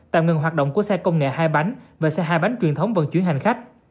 tạm ngừng hoạt động của xe công nghệ hai bánh và xe hai bánh truyền thống vận chuyển hành khách